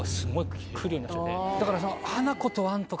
だから。